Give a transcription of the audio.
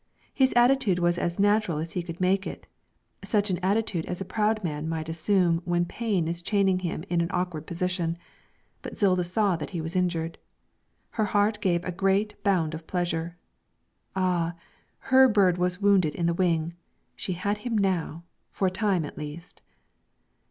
His attitude was as natural as he could make it, such an attitude as a proud man might assume when pain is chaining him in an awkward position, but Zilda saw that he was injured. Her heart gave a great bound of pleasure. Ah! her bird was wounded in the wing; she had him now, for a time at least.